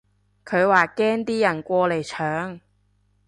佢話驚啲人過嚟搶